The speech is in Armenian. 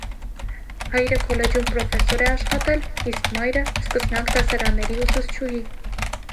Հայրը քոլեջում պրոֆեսոր է աշխատել, իսկ մայրը՝ սկսնակ դասարանների ուսուցչուհի։